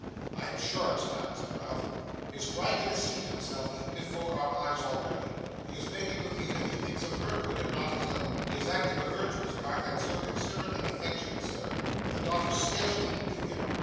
'I am sure it's done,' said Ralph. 'He is trying to deceive himself, even before our eyes, already. He is making believe that he thinks of her good and not his own. He is acting a virtuous part, and so considerate and affectionate, sir, that the daughter scarcely knew him.